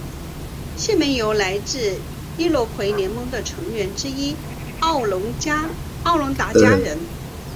县名来自易洛魁联盟的成员之一奥农达加人。